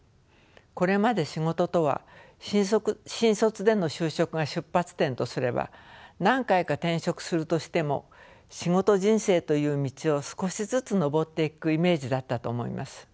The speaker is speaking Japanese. これまで仕事とは新卒での就職が出発点とすれば何回か転職するとしても仕事人生という道を少しずつのぼっていくイメージだったと思います。